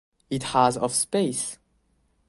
It has of space.